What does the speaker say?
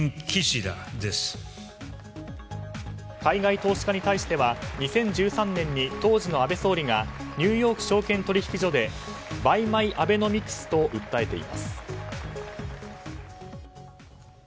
海外投資家に対しては２０１３年に当時の安倍総理がニューヨーク証券取引所でバイ・マイ・アベノミクスと訴えています。